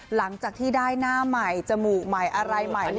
หลังจากที่ได้หน้าใหม่จมูกใหม่อะไรใหม่